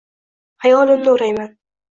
Xayolimni o’rayman.